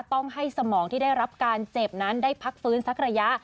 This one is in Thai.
ต้องให้สมองที่ได้รับการเจ็บนั้นได้พักฟื้นสักระยะ